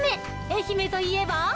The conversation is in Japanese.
愛媛といえば。